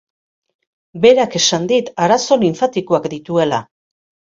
Berak esan dit, arazo linfatikoak dituela.